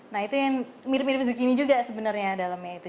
nah itu yang mirip mirip zukini juga sebenarnya dalamnya itu